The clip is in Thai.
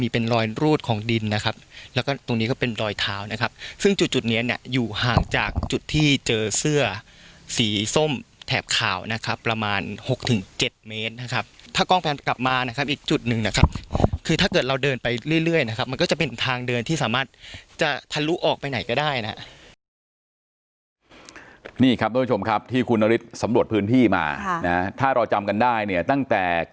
เป็นรอยเท้านะครับซึ่งจุดเนี่ยอยู่ห่างจากจุดที่เจอเสื้อสีส้มแถบขาวนะครับประมาณ๖๗เมตรนะครับถ้ากล้องแฟนกลับมานะครับอีกจุดหนึ่งนะครับคือถ้าเกิดเราเดินไปเรื่อยนะครับมันก็จะเป็นทางเดินที่สามารถจะทะลุออกไปไหนก็ได้นะนี่ครับผู้ชมครับที่คุณนฤทธิ์สำรวจพื้นที่มานะถ้าเราจำกันได้เนี่ยตั้